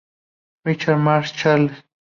Ricard Maria Carles.